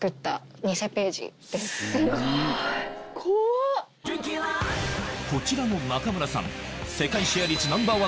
すごい。こちらの中村さん